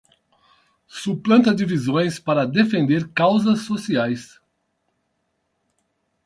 Suplanta divisões para defender causas sociais